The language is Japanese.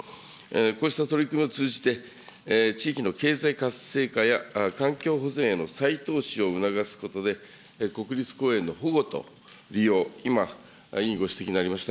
こうした取り組みを通じて、地域の経済活性化や環境保全への再投資を促すことで、国立公園の保護と利用、今、委員ご指摘になりました